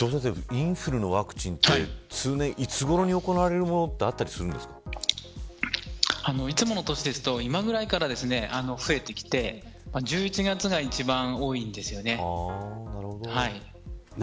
インフルのワクチンっていつごろに行われるものでいつもの年だと今ぐらいから増えてきて１１月が一番多いんですよね。